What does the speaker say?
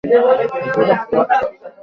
প্রথমটি হলো ওয়ালটন ও দ্বিতীয়টি মার্সেল।